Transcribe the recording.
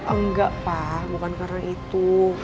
enggak pak bukan karena itu